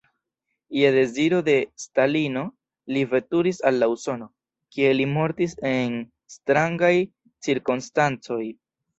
Je deziro de Stalino li veturis al Usono, kie li mortis en strangaj cirkonstancoj.